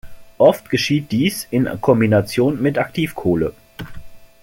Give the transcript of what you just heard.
Oft geschieht dies in Kombination mit Aktivkohle.